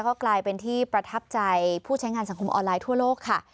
ก็กลายเป็นที่ประทับใจผู้ใช้งานสังคมออนไลน์ทั่วโลกค่ะ